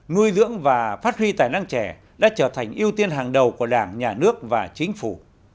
nuôi dưỡng và phát huy tài năng trẻ đã trở thành ưu tiên hàng đầu của đảng nhà nước và chính phủ